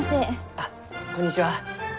あこんにちは。